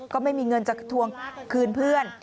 ก็ไม่มีเงินจะทวงคืนเพื่อน